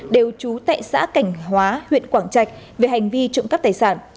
đều trú tại xã cảnh hóa huyện quảng trạch về hành vi trộm cắp tài sản